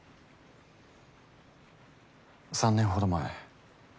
３年ほど前。